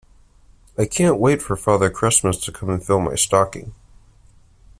I can't wait for Father Christmas to come and fill my stocking